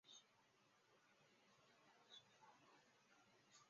钝叶拉拉藤为茜草科拉拉藤属下的一个变种。